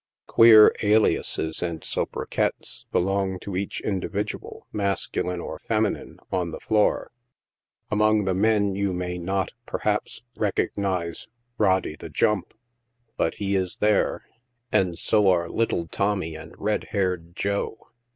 Queer aliases or soubriquets belong to each individual, mas culine or feminine, on the floor. Among the men you may not, per haps, recognize i( Roddy, the Jump," but he is there, and so are THIEVES, COUNTERFEITERS, ETC. 61 " Little Tommy" and " Red haired Joe."